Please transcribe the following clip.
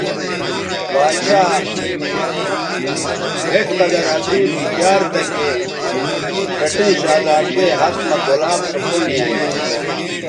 باڇھا بھئٹ قدر اسو تی تیار تکے پھٹیئں شہزادگئ ھت مہ گلاب سو پھنڈ یانگی